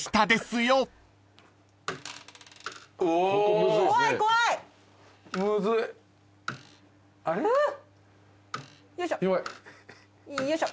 よいしょ。